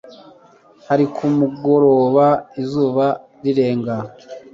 hari ku mugoroba izuba rirenga